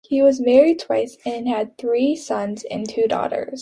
He was married twice and had three sons and two daughters.